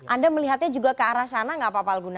anda melihatnya juga ke arah sana nggak pak palguna